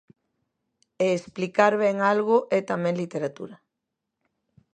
E explicar ben algo é tamén literatura.